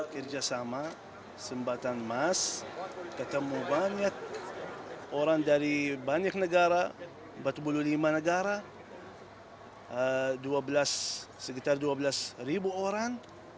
kerjasama sembatan emas ketemu banyak orang dari banyak negara empat puluh lima negara sekitar dua belas ribu orang